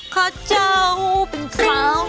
ข้าเจ้าเป็นขาว